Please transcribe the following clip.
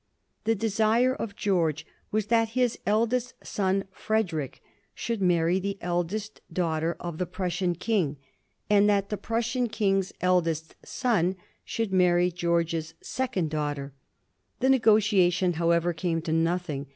The desire of George was that his eldest son, Frederick, should marry the eldest daughter of the Prussian King, and that the Prussian King's eldest 46 A HISTORY OF THE FOUR GEORGES. cu.xzia son Bhoald marry George's secoDd daughter. The nego tiation, however, came to nothing.